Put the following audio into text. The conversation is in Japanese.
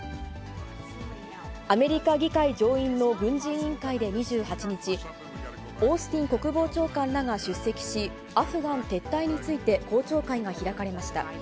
アメリカ議会上院の軍事委員会で２８日、オースティン国防長官らが出席し、アフガン撤退について、公聴会が開かれました。